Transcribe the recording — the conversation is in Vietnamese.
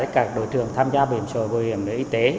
các đối trường tham gia bảo hiểm xã hội bảo hiểm y tế